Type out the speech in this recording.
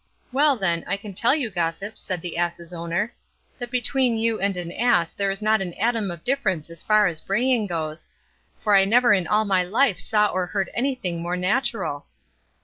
'Well then, I can tell you, gossip,' said the ass's owner, 'that between you and an ass there is not an atom of difference as far as braying goes, for I never in all my life saw or heard anything more natural.